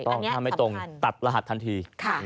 ต้องถ้าไม่ตรงตัดรหัสทันที